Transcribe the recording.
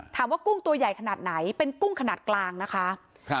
กุ้งตัวใหญ่ขนาดไหนเป็นกุ้งขนาดกลางนะคะ